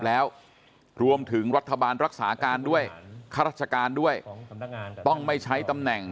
แล้วรวมถึงรัฐบาลรักษาการด้วยข้าราชการด้วยต้องไม่ใช้ตำแหน่ง